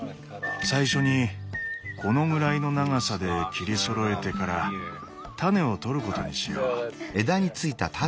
最初にこのぐらいの長さで切りそろえてから種をとることにしよう。